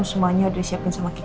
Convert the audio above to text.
semuanya udah siapin sama kita